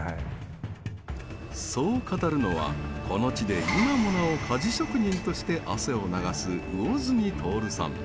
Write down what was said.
そう語るのは、この地で今もなお鍛治職人として汗を流す魚住徹さん。